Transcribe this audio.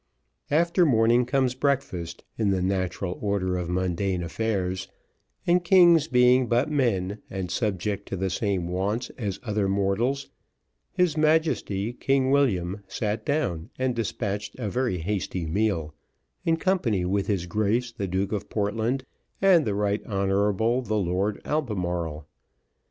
After morning, comes breakfast, in the natural order of mundane affairs, and kings, being but men, and subject to the same wants as other mortals, his Majesty, King William, sat down, and despatched a very hasty meal, in company with his Grace the Duke of Portland, and the Right Honourable the Lord Albemarle.